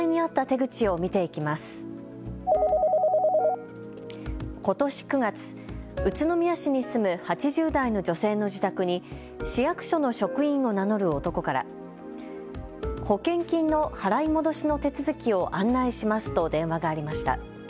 ことし９月、宇都宮市に住む８０代の女性の自宅に市役所の職員を名乗る男から保険金の払い戻しの手続きを案内しますと電話がありました。